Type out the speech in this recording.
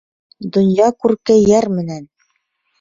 Донъя күрке йәр менән.